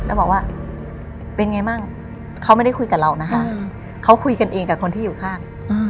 แล้วบอกว่าเป็นไงมั่งเขาไม่ได้คุยกับเรานะคะเขาคุยกันเองกับคนที่อยู่ข้าง